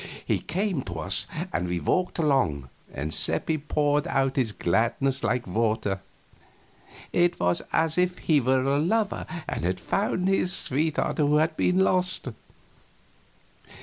He came to us, and we walked along together, and Seppi poured out his gladness like water. It was as if he were a lover and had found his sweetheart who had been lost.